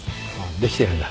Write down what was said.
できてるんだ。